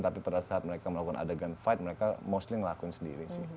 tapi pada saat mereka melakukan adegan fight mereka mostly ngelakuin sendiri sih